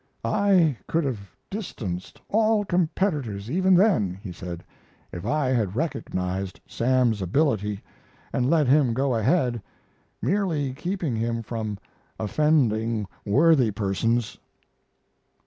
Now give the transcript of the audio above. "I could have distanced all competitors even then," he said, "if I had recognized Sam's ability and let him go ahead, merely keeping him from offending worthy persons."